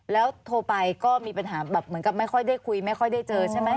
แล้วโทรไปก็มีปัญหาแบบเหมือนกับไม่ค่อยได้คุยไม่ค่อยได้เจอใช่ไหม